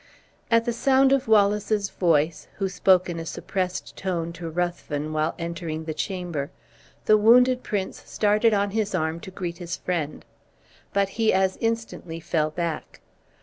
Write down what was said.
At the sound of Wallace's voice, who spoke in a suppressed tone to Ruthven while entering the chamber, the wounded prince started on his arm to greet his friend; but he as instantly fell back.